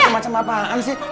macem macem apaan sih